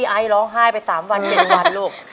ไอ้ร้องไห้ไป๓วันเห็นวันลูก